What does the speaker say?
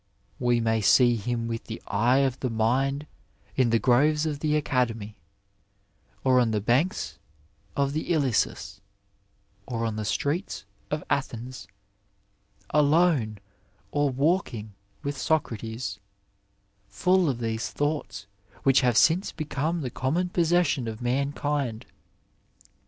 '' We may see him with the eye of the mind in tiie groves of the Academy, or on the banks of the Ilissus, or in the streets of Athens, alone or walking with Socrates, full of these thoughts which have since become the common possession of mankind.